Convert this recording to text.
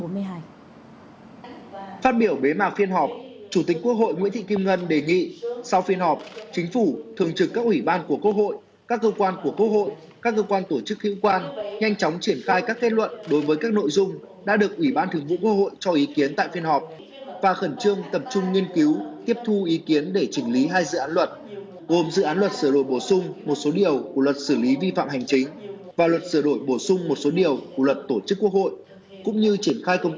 phát biểu bế mạc phiên họp chủ tịch quốc hội nguyễn thị kim ngân đề nghị sau phiên họp chính phủ thường trực các ủy ban của quốc hội các cơ quan của quốc hội các cơ quan tổ chức hữu quan nhanh chóng triển khai các kết luận đối với các nội dung đã được ủy ban thường vụ quốc hội cho ý kiến tại phiên họp và khẩn trương tập trung nghiên cứu tiếp thu ý kiến để chỉnh lý hai dự án luật gồm dự án luật sửa đổi bổ sung một số điều của luật xử lý vi phạm hành chính và luật sửa đổi bổ sung một số điều của luật tổ chức quốc hội cũng như triển kh